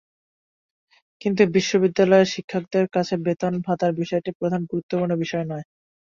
কিন্তু বিশ্ববিদ্যালয়ের শিক্ষকদের কাছে বেতন ভাতার বিষয়টি প্রধান গুরুত্বপূর্ণ বিষয় নয়।